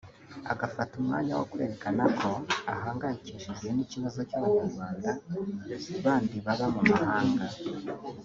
agafata n’umwanya wo kwerekana ko ahangayikishijwe n’ikibazo cy’Abanyarwanda bandi baba mu mahanga